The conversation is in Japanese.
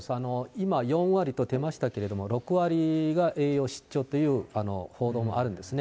今、４割と出ましたけれども、６割が栄養失調という報道もあるんですね。